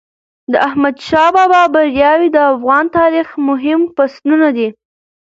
د احمدشاه بابا بریاوي د افغان تاریخ مهم فصلونه دي.